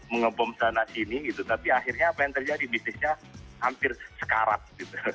mengebom sana sini gitu tapi akhirnya apa yang terjadi bisnisnya hampir sekarat gitu